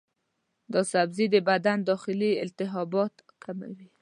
دا سبزی د بدن داخلي التهابات کموي.